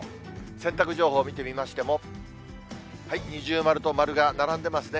洗濯情報、見てみましても、二重丸と丸が並んでますね。